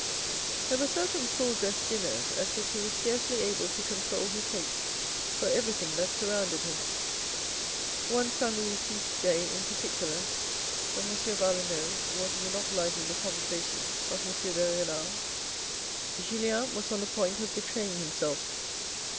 There were certain ' full dress ' dinners at which he was scarcely able to control his hate for everything that surrounded him. One St. Louis feast day in particular, when M. Valenod was mono polizing the conversation of M. de Renal, Julien was on the point of betraying himself.